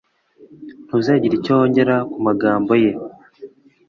ntuzagire icyo wongera ku magambo ye